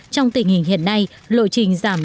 trong tình hình hiện nay lộ trình giảm